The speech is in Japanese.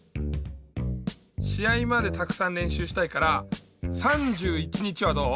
しあいまでたくさんれんしゅうしたいから３１日はどう？